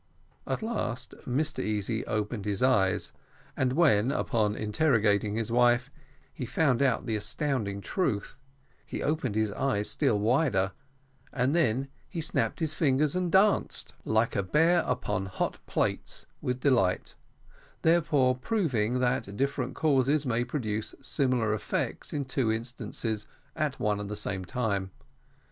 At last Mr Easy opened his eyes, and when, upon interrogating his wife, he found out the astounding truth, he opened his eyes still wider, and then he snapped his fingers, and danced, like a bear upon hot plates, with delight, thereby proving that different causes may produce similar effects in two instances at one and the same time.